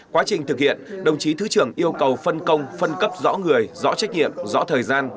quá trình thực hiện đồng chí thứ trưởng yêu cầu phân công phân cấp rõ người rõ trách nhiệm rõ thời gian